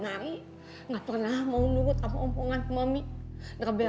tapi paling gak kamu harus adil b